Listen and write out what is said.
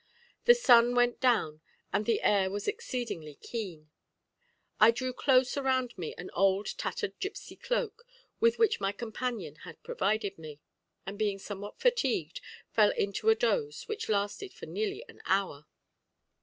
The sun went down, and the air was exceedingly keen; I drew close around me an old tattered gipsy cloak with which my companion had provided me, and being somewhat fatigued, fell into a doze which lasted for nearly an hour.